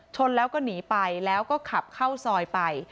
ชนแล้วก็หนีไปแล้วก็ขับเข้าซอยไป